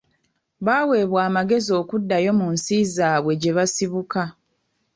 Baaweebwa amagezi okuddayo mu nsi zaabwe gye basibuka.